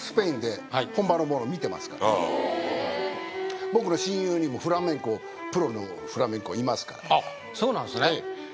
見てますから僕の親友にもフラメンコプロのフラメンコいますからあっそうなんですね